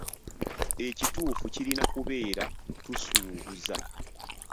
"Ekituufu kirina kubeera ""tusuubuza."""